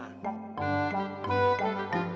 lalu siapa yang menang